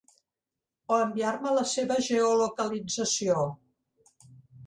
O enviar-me la seva geolocalització?